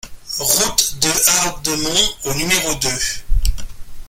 Route de Hardemont au numéro deux